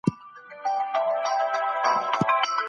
عشقي خبرې قبايلي تړاو لري.